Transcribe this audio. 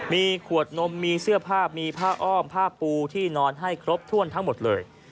มีขวดนมมีเสื้อผ้ามีผ้าอ้อมผ้าปูที่นอนให้ครบถ้วนทั้งหมดเลย